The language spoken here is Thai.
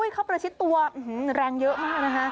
เขาประชิดตัวแรงเยอะมากนะคะ